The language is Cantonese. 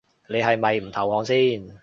你係咪唔投降先